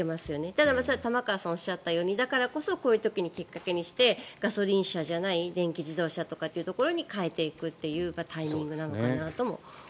ただ、玉川さんがおっしゃったようにだからこそこういう時にきっかけにしてガソリン車じゃない電気自動車とかに変えていくというタイミングなのかなと思います。